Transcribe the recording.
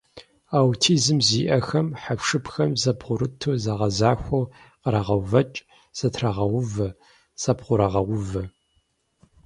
Аутизм зиӀэхэм хьэпшыпхэр зэбгъурыту, зэгъэзэхуауэ кърагъэувэкӀ, зэтрагъэувэ, зэбгъурагъэувэ.